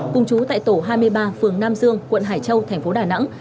cùng chú tại tổ hai mươi ba phường nam dương quận hải châu tp đà nẵng